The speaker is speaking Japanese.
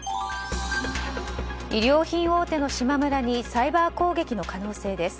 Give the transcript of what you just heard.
衣料品大手のしまむらにサイバー攻撃の可能性です。